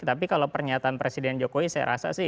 tapi kalau pernyataan presiden jokowi saya rasa sih